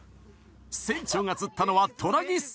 船長が釣ったのはトラギス。